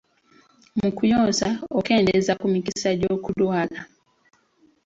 Mu kuyonsa, okendeeza ku mikisa gy'okulwala.